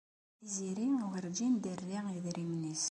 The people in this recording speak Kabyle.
Tiziri werǧin d-terri idrimen-is.